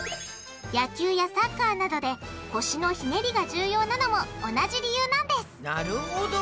野球やサッカーなどで腰のひねりが重要なのも同じ理由なんですなるほど！